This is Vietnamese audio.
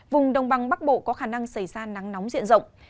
vùng đông băng bắc bộ có khả năng xảy ra nắng nóng diện rộng